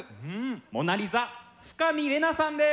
モナ・リザ深見玲奈さんです。